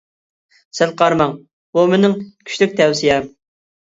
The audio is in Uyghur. سەل قارىماڭ، بۇ مېنىڭ كۈچلۈك تەۋسىيەم!